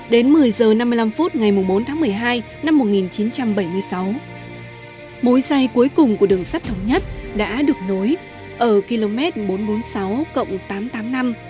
đến một mươi h năm mươi năm phút ngày bốn tháng một mươi hai năm một nghìn chín trăm bảy mươi sáu mối dây cuối cùng của đường sắt thống nhất đã được nối ở km bốn trăm bốn mươi sáu cộng tám trăm tám mươi năm